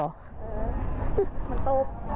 เออมันโต๊บ